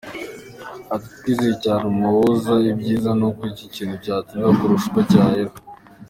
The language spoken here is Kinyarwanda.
Ati "Twizeye cyane umuhuza, ibyiza ni uko ikintu cyatinda kurusha uko cyahera.